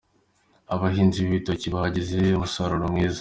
Abahinzi b'ibitoki bagize umusaruro mwiza.